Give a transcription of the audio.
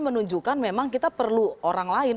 menunjukkan memang kita perlu orang lain